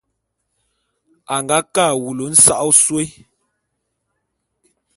A nga ke a wulu nsa'a ôsôé.